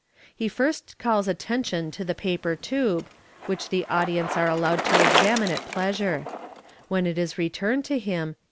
He first calls attention to the paper tube, which the audi MODERN MAGIC 361 etsce are allowed to examine at pleasure. When it is returned to him.